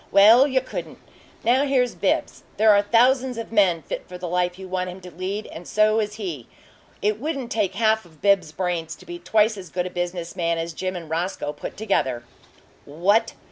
Well, you couldn't! Now here's Bibbs. There are thousands of men fit for the life you want him to lead and so is he. It wouldn't take half of Bibbs's brains to be twice as good a business man as Jim and Roscoe put together." "WHAT!"